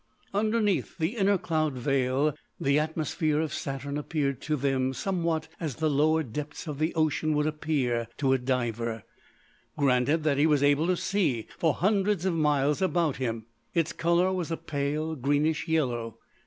Underneath the inner cloud veil the atmosphere of Saturn appeared to them somewhat as the lower depths of the ocean would appear to a diver, granted that he was able to see for hundreds of miles about him. Its colour was a pale greenish yellow.